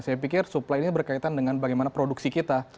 saya pikir supply ini berkaitan dengan bagaimana produksi kita